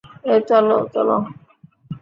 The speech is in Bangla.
এ চলো, চলো।